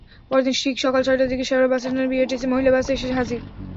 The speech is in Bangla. পরদিন ঠিক সকাল ছয়টার দিকে শেওড়া বাসস্ট্যান্ডে বিআরটিসির মহিলা বাস এসে হাজির।